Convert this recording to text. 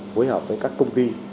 phối hợp với các công ty